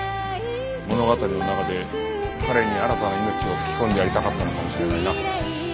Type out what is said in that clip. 物語の中で彼に新たな命を吹き込んでやりたかったのかもしれないな。